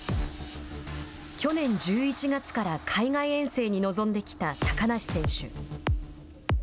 去年１１月から海外遠征に臨んできた高梨選手。